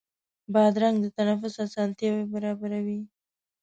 بادرنګ د تنفس اسانتیا برابروي.